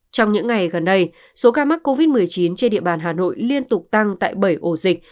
trong những ngày gần đây số ca mắc covid một mươi chín trên địa bàn hà nội liên tục tăng tại bảy ổ dịch